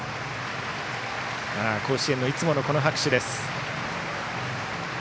甲子園のいつもの拍手です。